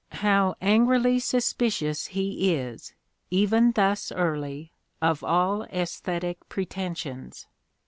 How angrily suspicious he is, even thus j early, of all aesthetic pretensions